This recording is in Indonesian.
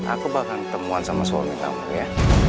aku bakal ketemuan sama suami kamu ya